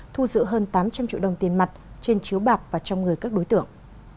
thu giữ hơn tám trăm linh triệu đồng tiền mặt trên chiếu bạc và trong người các đối tượng